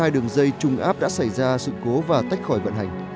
hai trăm năm mươi hai đường dây trùng áp đã xảy ra sự cố và tách khỏi vận hành